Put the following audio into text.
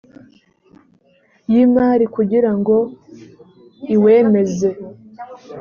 y imari kugira ngo iwemeze